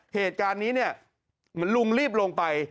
เหตุการณ์นี้ลุงรีบลงไป